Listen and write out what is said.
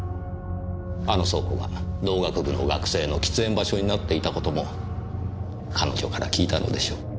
あの倉庫が農学部の学生の喫煙場所になっていたことも彼女から聞いたのでしょう。